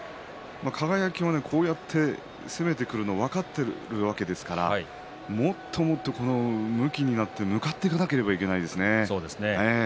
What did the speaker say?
輝はこうやって攻めてくるのは分かっているわけですからもっともっと、むきになって向かっていかなければいけないですね。